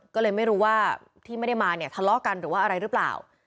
ก็เลยไม่รู้ว่าที่ไม่ได้มาเนี่ยทะเลาะกันหรือว่าอะไรหรือเปล่า